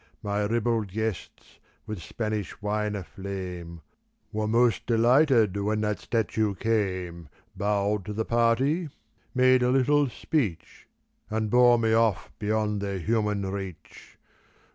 My ribald guests, with Spanish wine aflame, Were most dehghted when the statue came, 190 Bowed to the party, made a little speech, And bore me off beyond their human reach.